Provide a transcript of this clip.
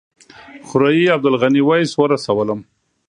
خوريي عبدالغني ویس ورسولم.